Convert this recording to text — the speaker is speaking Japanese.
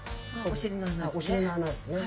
お尻の穴ですね。